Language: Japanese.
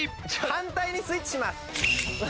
反対にスイッチします。